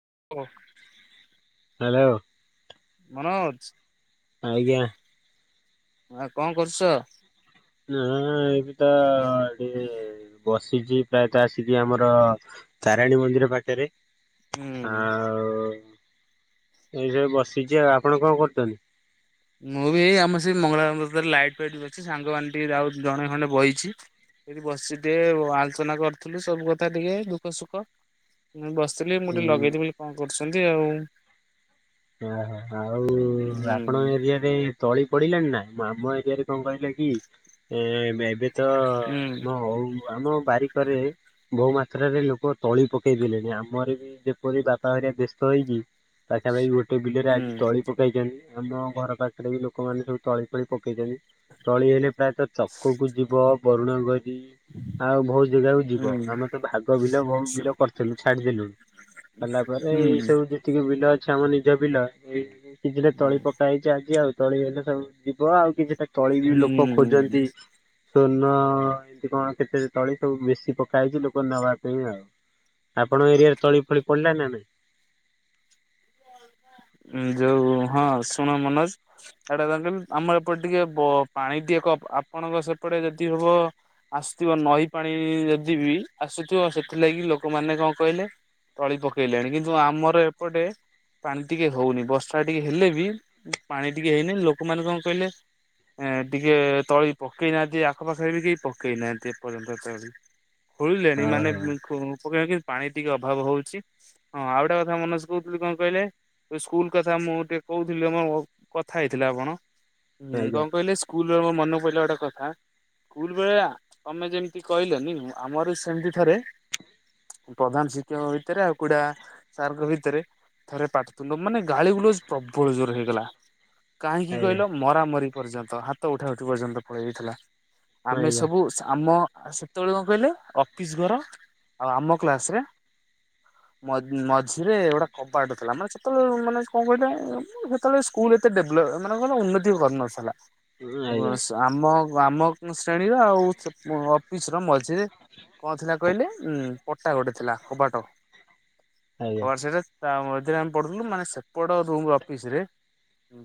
[unintelligible] Hello. [unintelligible] ଆଜ୍ଞା। ଆଉ କଣ କରୁଛ? ନା ଏବେ ତ ଏଠି ବସିଛି ପ୍ରାୟତଃ ଆସିକି ଆମର ତାରାଣୀ ମନ୍ଦିର ପାଖରେ। ଉଁ ହୁଁ। ଆଉ ଏଇ ଯୋଉ ବସିଛି ଆଉ ଆପଣ କଣ କରୁଛନ୍ତି? ମୁଁ ବି ଆମର ସେଇ ମଙ୍ଗଳା [unintelligible] ଲାଇଟ୍ ଫାଇଟ ଅଛି ସାଙ୍ଗମାନେଟିକେ ଆଉ ଜଣେ ଖଣ୍ଡେ ବଇଛି। ଏଇଠି ବସି ଟିକେ ଆଲୋଚନା କରୁଥିଲୁ ସବୁ କଥା ଟିକେ ଦୁଃଖ ସୁଖ ବ ଥିଲି ମୁଁ ଟିକେ ହୁଁ ଲଗେଇଦେବି କଣ କରୁଛନ୍ତି ଆଉ। ଓହୋ ଆଉ ହୁଁ ଆପଣଙ୍କ ଏରିଆ ତଳି ପଡିଲାଣି ନା ଆମ ଏରିଆରେ କଣ କହିଲେ କି ଏ ଏବେ ତ ହୁଁ ଆମ ହଉ ଆମ ବାରି କରେ ବହୁ ମାତ୍ରାରେ ଲୋକ ତଳି ପକେଇ ଦେଲେଣି ଆମର ବି ଯେପରି ବା ବାପା ହେରିକା ବ୍ୟସ୍ତ ହେଇକି ପାଖାପାଖି ଗୋଟେ ବିଲରେ ହୁଁ ଆଜି ତଳି ପକେଇଛନ୍ତି। ଆମ ଘର ପାଖରେ ବି ଲୋକମାନେ ସବୁ ତଳି ଫଳି ପକେଇଛନ୍ତି। ତଳି ହେଲେ ପ୍ରାୟତଃ ଚକକୁ ଯିବ ବରୁଣ ଗ ଆଉ ବହୁତ ଜାଗାକୁ ଯିବ। ହୁଁ ଆମେ ତ ଭାଗ ବିଲ ବହୁତ ବିଲ କରିଲୁ ଛାଡିଦେଲୁଣୁ। କଲା ପରେ ଏଇ ହୁଁ ସବୁ ଯେତିକି ବିଲ ଆମ ନିଜ ବିଲ ଏଇ କିଛିଟା ତଳି ହୁଁ। ପକା ହେଇଛି ଆଜି ଆଉ ତଳି ହେଲେ ସବୁ ଯିବ ଆଉ କିଛିଟା ତଳି ବି ଲୋକ ହୁଁ। ଖୋଜନ୍ତି। ସ୍ଵଣ ଏମତି କଣ କେତେ ତଳି ସବୁ ମିଶୀ ପକା ହେଇଛି ଲୋକ ନେବା ପାଇଁ ଆଉ। ଆପଣ ଏରିଆରେ ତଳି ଫଳି ପଡିଲା ନା ନାହିଁ? [inaudible] ଯୋଉ ହଁ ଶୁଣ ମନୋଜ ଏଟା କହିଲ ଆମର ଏପଟେ ଟିକେ ପାଣି ଟିକେ କ ଆପଣଙ୍କ ସେପଟେ ଯଦି ହବ ଆସୁଥିବ ନଈ ପାଣି ଯଦି ବି ଆସୁଥିବ ସେଥିଲାଗି ଲୋକମାନେ କଣ କହିଲେ ତଳି ପକେଇଲେଣି କିନ୍ତୁ ଆମର ଏପଟେ ପାଣି ଟିକେ ହଉନି ବର୍ଷା ଟିକେ ହେଲେ ବି ପାଣି ଟିକେ ହେଇନି ଲୋକମାନେ କଣ କହିଲେ ଏ ଟିକେ ତଳି ପକେଇ ନାହାନ୍ତି ଆଖପାଖରେ ବି କେହି ପକେଇ ନାହାନ୍ତି ଏପର୍ଯ୍ୟନ୍ତ ତଳି। ହୁଳିଲେଣି ମାନେ ଓହୋ [unintelligible] ପାଣି ଟିକେ ଅଭାବ ହଉଛି। ହଁ ଆଉ ଗୋଟେ କଥା ମନୋଜ କହୁଥିଲି କଣ କହିଲେ ସ୍କୁଲ କଥା ମୁଁ ଟିକେ କହୁଥିଲି [unintelligible] କଥା ହେଇଥିଲେ ଆପଣ ହୁଁ ଆଜ୍ଞା କଣ କହିଲେ -ସ୍କୁଲ ର ମୋ ମନକୁ ପଡ଼ିଲା ଗୋଟେ କଥା। ସ୍କୁଲ ବେଳିଆ ତମେ ଯେମିତି କହିଲନି ଆମର ସେମିତି ଥରେ ପ୍ରଧାନ ଶିକ୍ଷକ ଭିତରେ ଆଉ କୁଡା ସାରଙ୍କ ଭିତରେ ଥରେ ପାଟିତୁଣ୍ଡ ମାନେ ଗାଳି ଗୁଲଜ ପ୍ରବଳ ଜୋରେ ହେଇଗଲା। କାହିଁକି ଆଜ୍ଞା କହିଲ ମରାମରି ପର୍ଯ୍ୟନ୍ତ, ହାତ ଉଠା ଉଠି ପର୍ଯ୍ୟନ୍ତ ପଳେଇ ଆଇଥିଲା। ଆମେ ଆଜ୍ଞା ସବୁ ଆମ ଆଉ ସେତେବେଳେ କଣ କହିଲେ ଅଫିସ ଘର ଆଉ ଆମ କ୍ଲାସ ରେ ମଝିରେ ଗୋଟା କବାଟ ଥିଲା, ମାନେ ସେତେବେଳେ ମାନେ କଣ କହିଲ ସେତେବେଳେ ସ୍କୁଲ ଏତେ ଡେଭଲପ ମାନେ କଣ କହିଲ ଉନ୍ନତି କରିନଥିଲା। ଆଜ୍ଞା ଆମ ଆମ ଶ୍ରେଣୀର ଆଉ ଅଫିସ ର ମଝିରେ କଣ ଥିଲା କହିଲେ ଉଁ ପଟା ଗୋଟେ ଥିଲା କବାଟ, ଆଜ୍ଞା। କବାଟ ସେଟା ତା ମଝିରେ ଆମେ ପଢୁଥିଲୁ, ମାନେ ସେପଟ ରୁ ଅଫିସ ରେ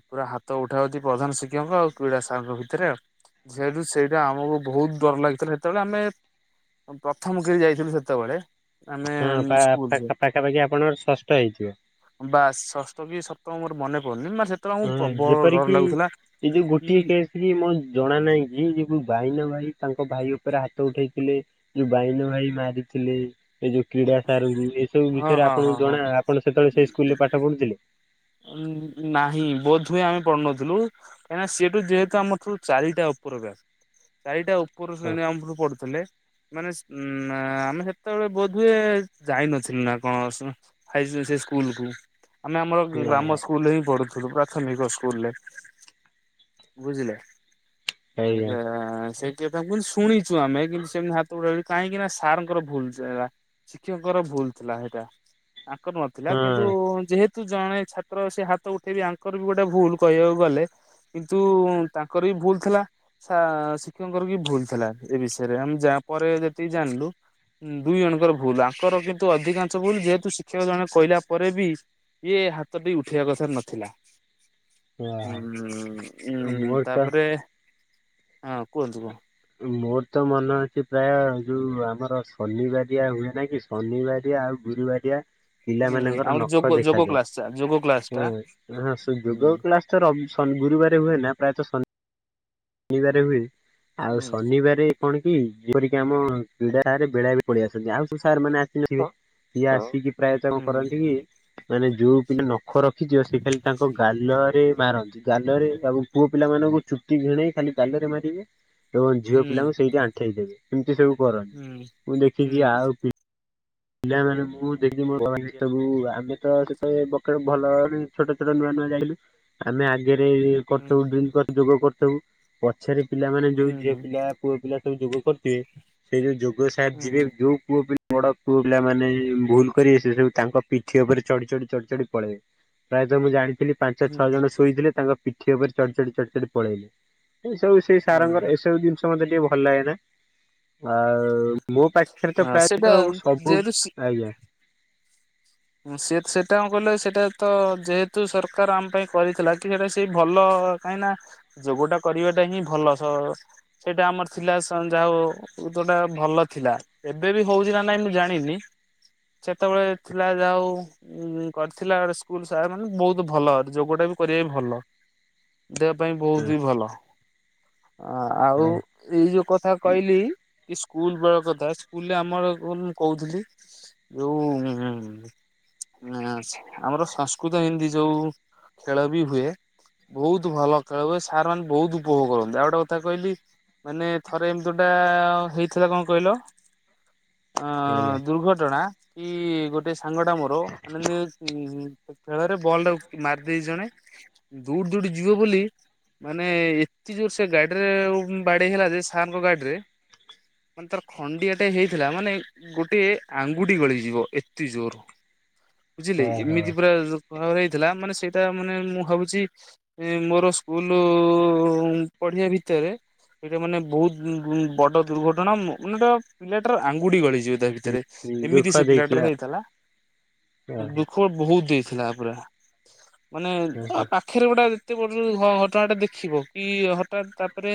ପୁରା ହାତ ଉଠା ଉଠି ପ୍ରଧାନ ଶିକ୍ଷକ ଆଉ କ୍ରୀଡା ସାଙ୍ଗଙ୍କ ଭିତରେ ଆଉ ଯେହତୁ ସେଇଟା ଆମକୁ ବହୁତ ଡର ଲାଗିଥିଲା ସେତେବେଳେ ଆମେ ପ୍ରଥମ କି ଯାଇଥିଲୁ ସେତେବେଳେ ଆମେ ହଁ ପାଖାପାଖି ଆପଣଙ୍କର ଷଷ୍ଠ ହେଇଥିବ। ବାସ, ଷଷ୍ଠ କି ସପ୍ତମ ମୋର ମନେ ପଡୁନି, ମ ହୁଁ ଯେପରିକି ଏ ଯୋଉ କି ଗୋଟିଏ କେସ କି ମୋ ଜଣା ନାହିଁ କି ଯୋ ଭାଇ ନା ଭାଇ ତାଙ୍କ ଭାଇ ଉପରେ ହାତ ଉଠେଇଥିଲେ ଯୋଉ ବାଇନ ଭାଇ ମାରିଥିଲେ। ଏଇ ଯୋଉ କ୍ରୀଡ଼ା ସାର ଏ ସବୁ ହଁ ବିଷୟରେ ହଁ ହଁ ଆପଣଙ୍କୁ ହଁ ଜଣା, ଆପଣ ସେତେବେଳେ ସେଇ ସ୍କୁଲରେ ପାଠ ପଢୁଥିଲେ। ନାହିଁ, ବୋଧହୁୁଏ ଆମେ ପଢୁନଥିଲୁ, କାହିଁକିନା ସେଠୁ ଯେହେତୁ ଆମଠୁ ଚାରିଟା ଉପର ବ୍ୟାଚ, ଚାରିଟା ଉପର ହଁ ଶ୍ରେଣୀ ଆମରୁ ପଡୁଥିଲେ ମାନେ ଉଁ ଆମେ ସେତେବେଳେ ବୋଧହୁଏ ଯାଇନଥିଲୁ ନା କଣ ସେ ସ୍କୁଲ କୁ ଆମେ ଆମର ଆ, ଗ୍ରାମ ସ୍କୁଲରେ ହିଁ ପଢୁଥିଲୁ, ପ୍ରାଥମିକ ସ୍କୁଲରେ ବୁଝିଲେ? ଆ ଆଜ୍ଞା [unintelligible] ଶୁଣିଛୁ ଆମେ କିନ୍ତୁ ସେମିତି ହାତ ଗଡ କାହିଁକି ନା ସାରଙ୍କର ଭୁଲ ଥିଲା, ଶିକ୍ଷକଙ୍କର ଭୁଲ ଥିଲା ସେଇଟା ତାଙ୍କର ନଥିଲା କିନ୍ତୁ ହଁ ଯେହେତୁ ଜଣେ ଛାତ୍ର ସେ ହାତ ଉଠେଇବେ, ଆଙ୍କର ବି ଗୋଟେ ଭୁଲ କହିବାକୁ ଗଲେ କିନ୍ତୁ ତାଙ୍କର ବି ଭୁଲ ଥିଲା, ଶିକ୍ଷକଙ୍କର ବି ଭୁଲ ଥିଲା ଏ ବିଷୟରେ ଆମେ ଯା ତାପରେ ଯେତିକି ଜାଣିଲୁ? ଦୁଇ ଜଣଙ୍କର ଭୁଲ, ଆଙ୍କର କିନ୍ତୁ ଅଧିକାଂଶ ଭୁଲ ଯେହେତୁ ଶିକ୍ଷକ ଜଣେ କହିଲା ପରେ ବି ଇଏ ହା ହାତ ଟିକେ ଉଠେଇବା କଥାରେ ନଥିଲା ଆ, ଉଁ ଉ ମୋର ତ ତାପରେ ହଁ କୁହନ୍ତୁ କୁହ? ମୋର ତ ମନେ ଅଛି ପ୍ରାୟ ଯଉ ଆମର ଶନିବାରିଆ ହୁଏ ନା କି, ଶନିବାରିଆ ଆଉ ଗୁରୁବାରଆ ପିଲା ହୁଁ ମାନଙ୍କର ଆମର ନଖ ଯୋଗ ଯୋଗ କ୍ଲାସ ଟା ଯୋଗ କ୍ଲାସ ଦେଖାଯାଏ। ଟା ହଁ ହ ଯୋଗ ହୁଁ। କ୍ଳାସ ତ ଗୁରୁବାର ହୁଏ ନା ପ୍ରାୟତଃ ଶ ଶନିବାର ହୁଏ ଆଉ ହୁଁ ଶନିବାର କଣ? ଯେପରିକି ଆମ କ୍ରିଡା ସାରେ ବେଳାବେଳି ପଳେଇ ଆସନ୍ତି ଆଉ ସବୁ ସାର୍ ମାନେ ଆସି ସିଏ ଆସିକି ପ୍ରାୟତଃ କ ହୁଁ କରନ୍ତି କି ମାନେ ଯୋଉ ପିଲା ନଖ ରଖିଯିବ ସେ ଖାଲି ତାଙ୍କ ଗାଲରେ ମାରନ୍ତି। ଗାଲରେ ତା ପୁଅ ପିଲା ମାନଙ୍କୁ ଚୁଟି ଘିଣେଇ ଖାଲି ଗାଲରେ ମାରିବେ। ଏବଂ ଝିଅ ହୁଁ ପିଲାଙ୍କୁ ସେଇଠି ଆଣ୍ଠେଇ ଦେବେ ସେମିତି ସବୁ କରନି ହୁଁ ମୁଁ ଦେଖିଛି ହୁଁ ଆଉ ପିଲାମାନଙ୍କୁ ମୁଁ ଦେଖିବି ମୋ କ ସବୁ ଆମେ ତ ସେତେ ପକେ ଭଲ ଛୋଟ ଛୋଟ ନୁଆ [unintelligible] ଆମେ ଆ କରି ହୁଁ ଡ ଯୋଗ କରି ପଛରେ ପିଲମାନେ ହୁଁ। ଯୋଉ ଝିଅ ହୁଁ ପିଲା ପୁଅ ପିଲା ସବୁ ଯୋଗ କରିଥିବେ, ସେଇ ଯୋଉ ଯୋଗ ସାର୍ ଯିବେ ହୁଁ ଯୋଉ ପୁଅ ବଡ ପୁଅ ପିଲାମାନେ ଭୁଲ କରିବେ, ସେ ସବୁ ତାଙ୍କ ପିଠି ଉପରେ ଚଢି ଚଢି ଚଢି ଚଢି ପଳେଇବେ। ପ୍ରାୟତଃ ମୁଁ ଜାଣିଥିଲି ପାଞ୍ଚ ଛଅ ଜଣ ଶୋଇଥିଲେ, ତାଙ୍କ ପିଠି ଉପରେ ଚଢ଼ି ଚଢି ଚଢ଼ି ଚଢ଼ି ପଳେଇଲେ ଏ ସବୁ ସେଇ ହୁଁ ସାରଙ୍କର ଏସବୁ ଜିନିଷ ମତେ ଟିକେ ଭଲ ଲାଗେ ନା? ଆଉ ମୋ ପାଖରେ ତ ହଁ ସେଇଟା ପ୍ରାୟତ ସବୁ ଯେହେତୁ ଶି ଆଜ୍ଞା। ସେ ସେଟା କ କହିଲେ ସେଇଟା ତ ଯେହେତୁ ସରକାର ଆମ ପାଇଁ କରିଥିଲା କି ସେଟା ସେଇ ଭଲ କାହିଁ ନା ଯୋଗଟା କରିବାଟା ହିଁ ଭଲ ସେଇଟା ଆମର ଥିଲା ଯା ହ ତଟା ଭଲ ଥିଲା ଏବେ ବି ହଉଛି ନା ନାଇଁ, ମୁଁ ଜାଣିନି ସେତେବେଳେ ଥିଲା ଯାଉ ଉ କରିଥିଲା ସ୍କୁଲ ସାର୍ ମାନେ ବହୁତ ଭଲ ଯୋଗ ଟା ବି କରିବା ବି ଭଲ। ଦେହ ପାଇଁ ବହୁତ ହି ଭଲ। ହଁ ଆଉ ହଁ ଏଇ ଯୋଉ କଥା କହିଲି କି ସ୍କୁଲ ବେଳ କଥା ସ୍କୁଲରେ ଆମର କ କହୁଥିଲି ଯୋଉ ଆମର ସଂସ୍କୃତ ହିତି ଯୋଉ ଖେଳ ବି ହୁଏ। ବହୁତ ଭଲ ଖେଳ ହୁଏ ସାର୍ ମାନେ ବହୁତ ଉପଭୋଗ କରନ୍ତି, ଆଉ ଗୋଟେ କଥା କହିଲି। ମାନେ ଥରେ ଏମିତିଟା ହେଇଥିଲା କଣ କହିଲ? ଅ ଆଜ୍ଞା ଦୁର୍ଘଟଣା କି ଗୋଟେ ସାଙ୍ଗ ଟା ମୋର ମାନେ ଖେଳରେ ବଲ୍ ଟା ମାରିଦେଇ ଜଣେ ଦୂର ଦ ଯିବ ବୋଲି ମାନେ ଏତେ ଜୋର ସେ ଗାଡିରେ ବାଡେଇ ହେଲା ଯେ ସାର୍ଙ୍କ ଗାଡିରେ ମାନେ ତାର ଖଣ୍ଡିଆ ଟେ ହେଇଥିଲା ମାନେ ଗୋଟେ ଆଙ୍ଗୁଠି ଗଳିଯିବ ଏତେ ଜୋର ବୁଝିଲେ ହଁ ଏମିତି ହଁ ପୁରା ଖରାରେ ହେଇଥିଲା ମାନେ ସେଇଟା ମାନେ ମୁଁ ଭାବୁଛି ମୋର ସ୍କୁଲ ପଡିଆ ଭିତରେ ଏଇଟା ମାନେ ବହୁତ ବଡ ଦୁର୍ଘଟଣା ମାନୋ ପିଲାଟାର ଆଙ୍ଗୁଡି ଗଳିଯିବ ତା ଭିତରେ ଭରେ ଏମିତି ଦୁଃଖ ସେ ପିଲାଟରେ ଦେଇଥିଲା ହେଇଥିଲା ଓହୋ ଦୁଃଖ ବହୁତ ହେଥିଲା ପୁରା ମାନେ ଆ ଓହୋ ପାଖରେ ଗୋଟେ ଏତେ ବଟ ଘଟଣା ଟା ଦେଖିବ କି ହଠାତ୍ ତାପରେ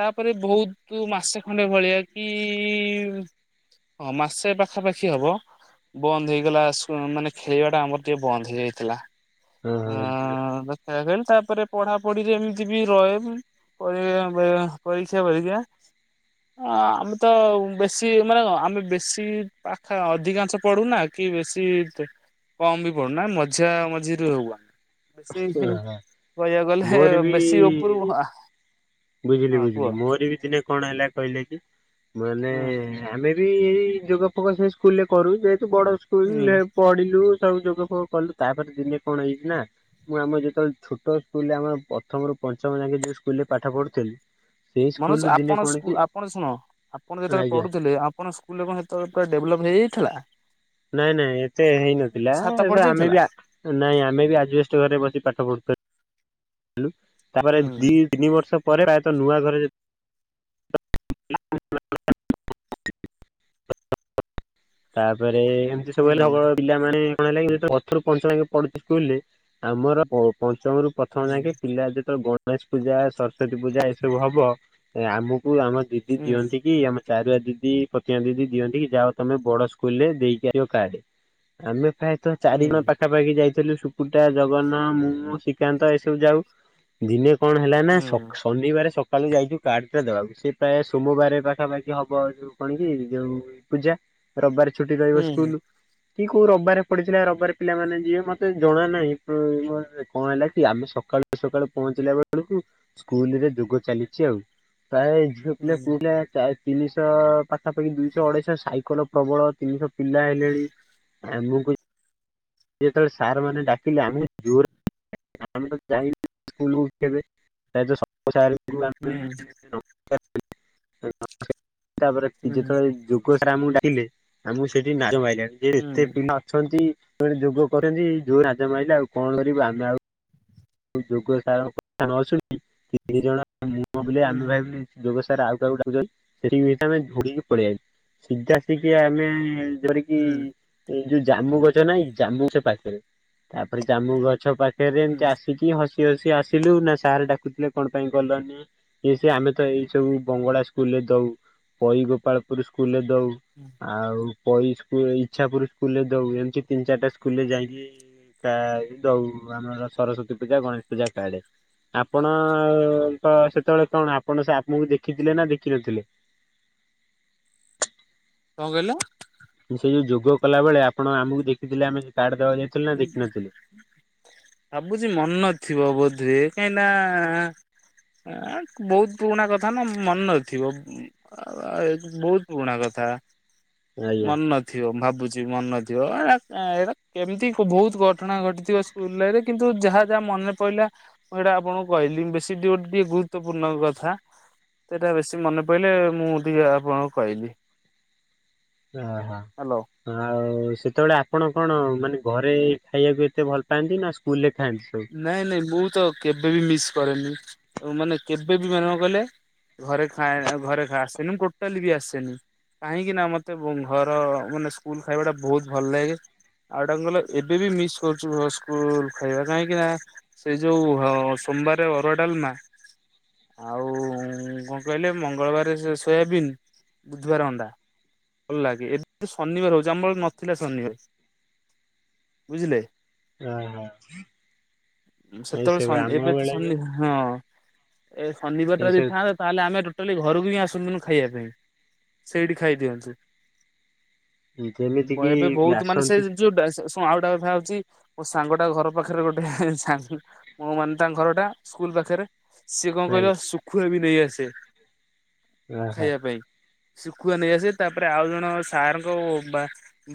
ତାପରେ ବହୁତ ମାସେ ଖଣ୍ଡେ ଭଳିଆ ମାସେ ପାଖାପାଖି ହବ ବନ୍ଦ ହେଇ ଲା ମାନେ ଖେଳିବା ଟା ଆମର ଟିକେ ବନ୍ଦ ହେଇଯାଇଥିଲା। ହଁ ହଁ। ହେ କ ତାପରେ ପଢାପଢିରେ ଏମିତି ବି ରହ ପର ପରୀକ୍ଷା ଭକ୍ଷା ଆମେ ତ ବେଶୀ ମାନେ ଆମେ ବେଶୀ ପାଖ ଅଧିକାଂଶ ପଡୁନା କି ବେଶୀ କମ ବି ପଡୁନା ମଝିା ମଝିରେ ହଉ। ବେଶୀ ଓହୋ କହିବା ଗଲେ ମୋର ବି ବେଶୀ ଉପ ଉପରୁ ବୁଝିଲି ହଁ କୁହ ବୁଝିଲି ମୋର ବି ଦିନେ କଣ ହେଲା କହିଲେ କି ମାନେ ହୁଁ ଆମେ ବି ଏଇ ଯୋଗ ଫୋଗଇ ସ୍କୁଲରେ କରୁ ଯେ ବଡ ହୁଁ ସ୍କୁଲ ପଢିଲୁ ସବୁ ଯୋଗ ଫୋଗ କଲୁ ତାପରେ ଦିନେ କଣ ହେଇଛି ନା ମୁଁ ଆମ ଯେତେବେଳେ ଛୋଟ ସ୍କୁଲରେ ଆମ ପ୍ରଥମରୁୁ ପଞ୍ଚମ ଯାକେ ଯଉ ସ୍କୁଲ ରେ ପାଠ ପଢୁଥିଲି ସେଇ ମନୋଜ ସ୍କୁଲରୁ ଦିନେ ଆପଣ କଣ କି ଆପଣ ଶୁଣ ଆପଣ ଯେତେବେଳେ ଆଜ୍ଞା ପଢୁଥିଲେ ଆପଣ ସ୍କୁଲଣତଳେ ପୁରା ଡେଭଲପ୍ ହେଇ ସେଇଥିଲା ନାଇଁ ନାଇଁ ଏତେ ହେଇନଥିଲା ଛାତ ପଡି ଆମେ ଯାଇଥିଲା? ବି ନାଇଁ ଆମେ ବି ଆଜଷ୍ଟ ଘରେ ବସି ପାଠ ପଢୁଛୁ ହ ତାପରେ ଦି ତିନି ବର୍ଷ ପରେ ପ୍ରାୟତଃ ନୂଆ ଘରେ ତାପରେ ଏମତି ସବୁ ହେଲେ ହୁଁ ସଳ ପିଲାମାନେ ରୁ ପଞ୍ଚ ପୁ ସ୍କୁରେ ଆମର ପଞ୍ଚମରୁ ପ୍ରଥମ ହୁଁ ଯାକେ ପିଲା ଯେତେବେଳେ ଗଣେଶ ପୂଜା ସରସ୍ଵତୀ ପୂଜା ଏସବୁ ହବ ଆମକୁ ଆମ ଦିଦି ହୁଁ ଦିଅନ୍ତି କି ଆମ ଚାରିଆ ଦିଦି ପତିଆ ଦିଦି ଦିଅନ୍ତି କି ଯାହା ତମେ ବଡ ସ୍କୁଲ ରେ ଦେଇକି ଆ କାଡ ଆମେ ପ୍ରାୟତଃ ଚାରିଦିନ ହୁଁ ପାଖାପାଖି ଯାଇ ଥିଲୁ ସୁପୁଟା ଜଗନ୍ନ ମୁଁ ଶ୍ରୀକାନ୍ତ ଏସବୁ ଯାଉ ଦିନେ କଣ ହେଲା ନା ହୁଁ। ଶନିବାର କାଲି ଯାଇଛୁ କାର୍ଡ ଟା ଦେବାକୁ ସେ ପ୍ରାୟ ସୋମବାର ପାଖାପାଖି, ହବ ଯଉ କଣ କି ଯଉ ପୂଜା ରବିବାର ଛୁଟି ରହିବ ସ୍କୁଲ। କି କୋଉ ରବାରେ ପଡିଥିଲା ରବାରେ ପିଲାମାନୋନେ ଯିବେ ମତେ ଜଣା ନାହିଁ କଣ ହେଲା କି ଆମେ ସକାଳୁ ସକାଳୁ ପହଞ୍ଚିଲା ବେଳକୁ ସ୍କୁଲ ରେ ଯୋଗ ଚାଲିଛି ଆଉ ପ୍ରାୟ ଝିଅ ପିଲା ପୁଅପିଲା ତିନିଶହ ପାଖାପାଖି ଦୁଇଶହ ଅଢେଇଶହ ସାଇକେଲ ପ୍ରବଳ ତିନିଶହ ପିଲା ହେଲେଣି ଆମକୁ ଯେତେବେଳେ ସାର୍ ମ ଡାକିଲେ ଆମେ ଜୋର ଆମେ ତ ଚାହିବୁ ସ୍କୁଲକୁ ତାତ [inaudible] [inaudible] ତାପରେ ଯେତେବେଳେ ଯୋଗ ସାର ଆମକୁ ଡାକିଲେ ଆମକୁ ସେଠି ନାଜ ମାଇଲା। ଯେ ଏତେ ପିଲା ଅଛନ୍ତି। ଯୋଗ କରନ୍ତି ଯୋଉ ନାଜ ମାଇଲା ଆଉ କଣ କରିବୁ ଆମେ ଆଉ ଯୋଗ ସାରସୁନି ତିନି ଜଣ ମୁହଁ ବୋଲି ଆମେ ଭାବିନୁ ଯୋଗ [inaudible] ରାଉତ ବାବୁ ଡାକୁଛନ୍ତି ସେଠିକି ଜିନିଷ ଆମେ ଧିକି ପଳେଇ ଯାଉ ସିଧା ଆସିକି ଆମେ [inaudible] ଯେପରି କି ଏଇ ଯୋଉ ଜାମୁ ଗଛ ନାାଇ ଜାମୁ ଗଛ ପାଖରେ ତାପରେ ଜାମୁ ଗ ଗଛ ପାଖରେ ଏମିତି ଆସିକି ହସି ହସି ଆସିଲୁ ନା ସାର ଡାକୁଥିଲେ କଣ ପାଇଁ ଗଲନି। ଏ ସେ ଆମେ ତ ଏଇ ସବୁ ବଙ୍ଗଳା ସ୍କୁଲରେ ଦଉ, ବହି ଗୋପାଳପୁର ସ୍କୁଲରେ ଦଉ ଆଉ। କଇ ସ୍କୁଲ ଇଛାପୁରୁ ସ୍କୁଲରେ ଦଉ ଛନ୍ତି ତିନି ଚାରିଟା ସ୍କୁଲରେ ଯାଇକି କା ଦଉ ଆମର ସରସ୍ଵତୀ ପୂଜା ଗଣେଶ ପୂଜା କାର୍ଡ। ଆପଣ ତ ସେତେବେଳେ କଣ ଆପଣ ସାପକୁ ଦେଖିଥିଲେ ନା ଦେଖିନଥିଲେ? କଣ କହିଲ? ସେଇ ଯୋଉ ଯୋଗ କଲା ବେଳେ ଆପଣ ଆମକୁ ଦେଖିଥିଲେ ଆମେ କାର୍ଡ ଦେବାକୁ ଯାଇଥିଲୁ ନା ଦେଖିନଥିଲେ? ଭାବୁଛି ମନ ନଥିବ ବୋଧେ। କାହିଁକି ନା ବହୁତ ପୁରୁଣା କଥା ନା ମନେ ନଥିବ ବହୁତ ପୁରୁଣା କଥା। ଆଜ୍ଞା। ମନେ ନଥିବ ଭାବୁଛି ମନେ ନଥିବ ଏଇଟା କେମିତି ବହୁତ ଘଟଣା ଘଟିଥିବ ସ୍କୁଲରେ କିନ୍ତୁ ଯାହା ଯାହା ମନେ ପଡିଲା ମୁଁ ସେଇଟା ଆପଣଙ୍କୁ କହିଲି ବେଶୀ ଦୁଇଟି ଗୁରୁତ୍ୱପୂର୍ଣ କଥା। ସେଟା ବେଶୀ ମନେ ପଇଲା ମୁଁ ଟିକେ ଆପଣଙ୍କୁ କହିଲି। ହ୍ୟାଲୋ। ଓହୋ ଆଉ ସେତେବେଳେ ଆପଣ କଣ ମାନେ? ଘରେ ଖାଇବାକୁ ଏତେ ଭଲ ପାଆନ୍ତି ନା ସ୍କୁଲରେ ଖାଆନ୍ତି ସବୁ? ନାଇଁ ନାଇଁ ମୁଁ ତ କେବେବି ମିସ୍ କରେନି ମାନେ କେବେ ବି ମାନେ କଣ କହିଲେ? ଘରେ ଖାଏ ଘରେ ଖାଇ ଆସେନି ଟୋଟାଲି ବି ଆସେନି। କାହିଁକି ନା ମତେ ଘର ମାନେ ସ୍କୁଲ ଖାଇବାଟା ବହୁତ ଭଲ ଲାଗେ। ଆଉଟଡା କ ଏବେ ବି ମିସ୍ କରୁଛୁ ଘ ସ୍କୁଲ ଖାଇବା [inaudible] କାହିଁକି ନା ସେଇ ଯୋଉ ସୋମବାର ଅରୁଆ ଡାଲମା। ଆଉ କଣ କହିଲେ ମଙ୍ଗଳବାର ସେ ସୋୟାବିନ ବୁଧବାର ଅଣ୍ଡା, ଭଲ ଲାଗେ ଏବେ ଶନିବାର ହଉଛି ଆମ ନଥିଲା ଶନିବାର। ବୁଝିଲେ? [inaudible] ଏଇସବୁ ଆମ ସେତେବେଳେ ଏବେ ତ ବେଳେ ବି ସନ୍ଧ୍ୟ ହଁ [inaudible] ଏ ଶନିବାର ଟା ଯଦି ଏଇସବୁ ଥାନ୍ତା ତାହେଲେ ଆମେ ଟୋଟାଲି ଘରକୁ ହି ଆସୁ ଖାଇବା ପାଇଁ ସେଇଠି ଖାଇ ଦିଅନ୍ତୁ। ଯେମିତି ଏବେ କିି ବହୁତ ମାନେ ସେ ଆସନ୍ତି ଯୋଉ ଆଉଟା ଏ ହଉଛି ମୋ ସାଙ୍ଗଟା ଘର ପାଖରେ ଗୋଟେ ସାଙ୍ଗ ମ ମାନେ ତାଙ୍କ ଘର ଟା ସ୍କୁଲ ପାଖରେ। ସିଏ କଣ କହିଲ ଆଜ୍ଞା। ଶୁଖୁଆ ବି ନେଇ ଆସେ ଓହୋ ଖାଇବା ପାଇଁ। ଶିଖୁଆ ନେଇ ଆସେ ତାପରେ ଆଉ ଜଣ ସାର୍ ଙ୍କ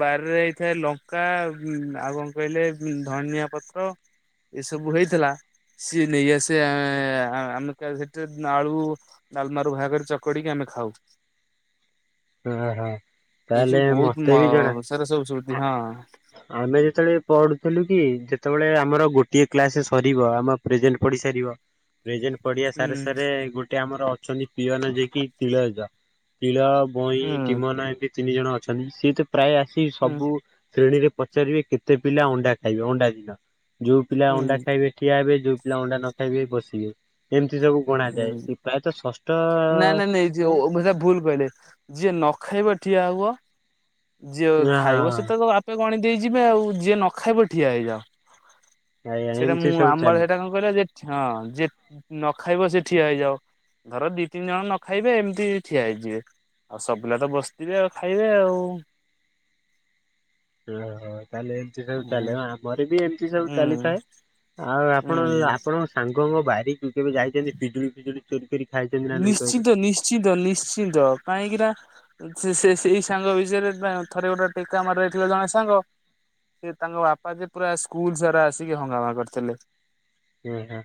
ବାରିରେ ହେଇଥାଏ ଲଙ୍କା ଆଉ କଣ କହିଲେ ଧନିଆ ପତ୍ର ଏ ସବୁ ହେଇଥିଲା। ସିଏ ନେଇ ଆସେ ଆ ଆମେ ସେଠି ଆଳୁ ଡାଲମାରୁ ବାହାର କରି ଚକଟିକି ଆମେ ଖାଉ। ଓହୋ ଏଇ ସବୁ ତାହେଲେ ବହୁତ ମ ମତେ ବି ଜଣା। ସାରା ସବୁ ସୁଧି ହଁ ଆମେ ଯେତେବେଳେ ପଢୁଥିଲୁ କି ଯେତେବେଳେ ଆ ଆମର ଗୋଟିଏ କ୍ଲାସ ସରିବ ଆମର ପ୍ରେଜେଣ୍ଟ ପଡିସାରିବ ପ୍ରେଜେଣ୍ଟେ ପଡିଆ ସାରେ ହୁଁ ସାରେ ଗୋଟେ ଆମର ଅଛନ୍ତି ପିଅନ ଯିଏ କିି ତିଳ ଜେଜ ତିଳ ବଇଁ, ହୁଁ ଟିମନ, ଏଠି ତିନି ଜଣ ଅଛନ୍ତି ସିଏ ତ ପ୍ରାୟ ଆସି ହୁଁ ସବୁ ଶ୍ରେଣୀରେ ପଚାରିବେ କେତେ ପିଲା ଅଣ୍ଡା ଖାଇବେ, ଅଣ୍ଡା ଦିନ ଯୋଉଁ ପିଲା ଅଣ୍ଡା ହୁଁ ଖାଇବେ ଠିଆ ହେବେ। ଯୋଉଁ ପିଲା ଅଣ୍ଡା ନଖାଇବେ ବସିବେ। ଏମିତି ସବୁ ଗଣା ଯାଏ ହୁଁ କି ପ୍ରାୟତଃ ନାଇଁ ନାଇଁ ନାଇଁ ଷଷ୍ଠ ଯ ଭୁଲ କହିଲେ ଯିଏ ନ ଖାଇବ ଠିଆ ହୁଅ ଯିଏ ହଁ ଖାଇବ ସେତ ଆଜ୍ଞା ତ ଆପେ ଆ ଗଣି ଦେଇ ଯିବେ ଆଉ ଯିଏ ନ ଖାଇବ ଠିଆ ହେଇଯାଅ। ସେଇଟା ଏମିତି ମୁଁ ସବୁ ଆମର ଚାଲେ। ସେଇଟା କଣ କହିଲ ଯେ ହଁ ଯେ ନ ଖାଇବ ସେ ଠିଆ ହେଇଯାଅ। ଧର ଦି ତିନି ଜଣ ନ ଖାଇବେ ଏମିତି ଠିଆ ହେଇଯିବେ। ଆଉ ସବୁ ପିଲା ତ ବସିଥିବେ ଆଉ ଖାଇବେ ଆଉ। ଓହୋ ତାହଲେ ଏମତି ସବୁ ଚାଲେ, ହଁ ଆମର ବି ଏମିତି ସବୁ ହୁଁ ଚାଲିଥାଏ। ଆଉ ଆପଣ ହୁଁ ଆପଣଙ୍କ ସାଙ୍ଗଙ୍କ ବାରିକୁ କେବେ ଯାଇଛନ୍ତି ପିଜୁଳି ଫିଜୁଳି ଚୋରି କରି ଖାଇଛନ୍ତି ନା ନାଇଁ କହିଲେ? ନିଶ୍ଚିନ୍ତ ନିଶ୍ଚିନ୍ତ ନିଶ୍ଚିନ୍ତ କାହିଁକି ନା ସେ ସେ ସେଇ ସାଙ୍ଗ ବିଷୟରେ ଥରେ ଗୋଟେ ଟେକା ମାରିଦେଇଥିଲା ଜଣେ ସାଙ୍ଗ ସେ ତାଙ୍କ ବାପା ଯେ ପୁରା ସ୍କୁଲ ସାରା ଆସିକି ହଙ୍ଗାମା କରିଥିଲେ। ହୁଁ ହୁଁ।